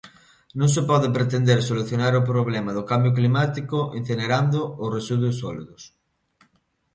Non se pode pretender solucionar o problema do cambio climático incinerando os residuos sólidos.